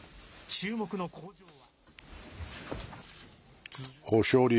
注目の口上は。